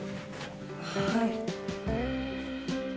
はい。